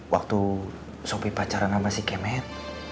waktu shopee pacaran sama si kemet